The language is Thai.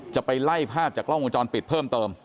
จะไปไล่ภาพจากกล้องวงจรปิดเพิ่มเติม